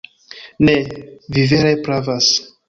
Ne, vi vere pravas.